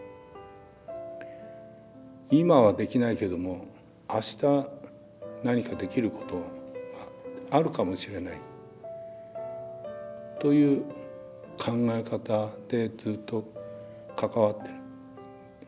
今はできないけどもあした何かできることがあるかもしれないという考え方でずっと関わってる。